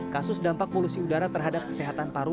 kasus dampak polusi udara terhadap kesehatan paru